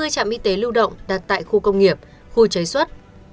hai mươi trạm y tế lưu động đặt tại khu công nghiệp khu chế xuất